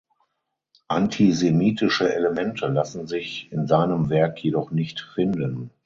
Antisemitische Elemente lassen sich in seinem Werk jedoch nicht finden.